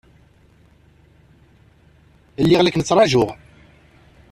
Lliɣ la kem-ttṛajuɣ.